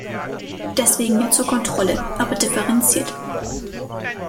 Deswegen ja zur Kontrolle, aber differenziert.